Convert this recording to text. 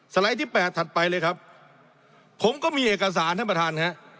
ไลด์ที่๘ถัดไปเลยครับผมก็มีเอกสารท่านประธานฮะ